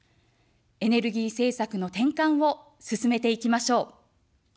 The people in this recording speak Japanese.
エネルギー政策の転換を進めていきましょう。